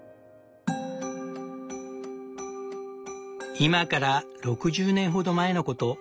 今から６０年ほど前のこと。